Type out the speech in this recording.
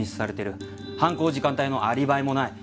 犯行時間帯のアリバイもない。